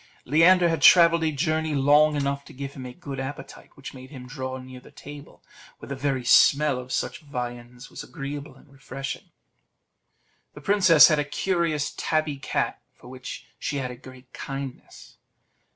Leander had travelled a journey long enough to give him a good appetite, which made him draw near the table, where the very smell of such viands was agreeable and refreshing. The princess had a curious tabby cat, for which she had a great kindness.